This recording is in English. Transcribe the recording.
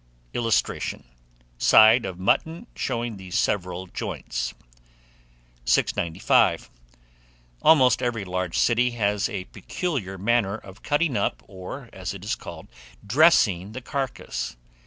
[Illustration: SIDE OF MUTTON, SHOWING THE SEVERAL JOINTS.] 695. ALMOST EVERY LARGE CITY has a particular manner of cutting up, or, as it is called, dressing the carcase.